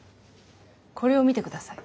これを見て下さい。